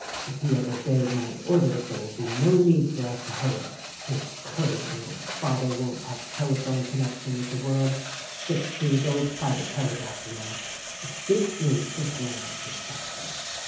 If he has obeyed my orders there will be no need for us to hurry. His crazv old father won't have telephone connection with the world — sticks to his old private telegraph, you know;— which suits me, just now, precisely."